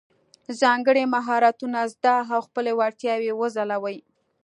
ځانګړي مهارتونه زده او خپلې وړتیاوې یې وځلولې.